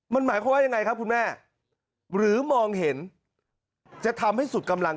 มันหมายความว่ายังไงครับคุณแม่หรือมองเห็นจะทำให้สุดกำลัง